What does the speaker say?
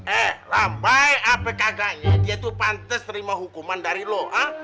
eh lambai apkgnya dia tuh pantes terima hukuman dari lu